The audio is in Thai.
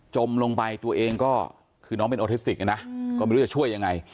มลงไปตัวเองก็คือน้องเป็นออทิสติกนะก็ไม่รู้จะช่วยยังไง